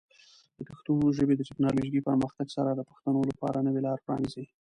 د پښتو ژبې د ټیکنالوجیکي پرمختګ سره، د پښتنو لپاره نوې لارې پرانیزي.